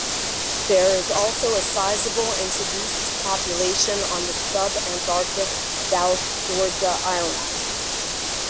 There is also a sizeable introduced population on the sub-Antarctic South Georgia Island.